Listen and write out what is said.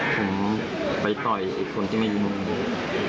ผมไปต่อยคนที่ไม่อยู่บนมือ